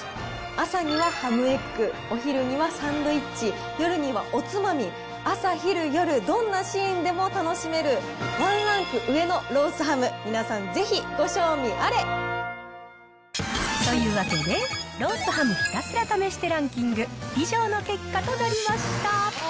朝にはハムエッグ、お昼にはサンドイッチ、夜にはおつまみ、朝昼夜、どんなシーンでも楽しめる、ワンランク上のロースハム、皆さん、というわけで、ロースハムひたすら試してランキング、以上の結果となりました。